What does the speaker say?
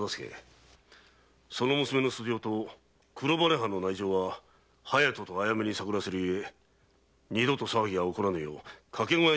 その娘の素性と黒羽藩の内情は隼人とあやめに探らせるゆえ二度と騒ぎが起こらぬように掛け小屋周辺の警護を頼む。